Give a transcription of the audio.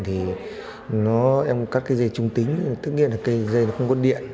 thì nó em cắt cái dây trung tính tức nghĩa là cái dây nó không có điện